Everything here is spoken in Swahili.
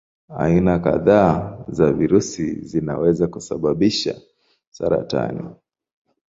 Aina kadhaa za virusi zinaweza kusababisha saratani.